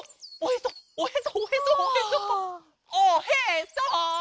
おへそ！